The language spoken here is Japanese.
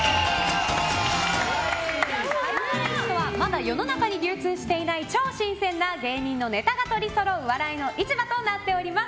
市とはまだ世の中に流通していない超新鮮な芸人のネタが取りそろう話題の市場となっています。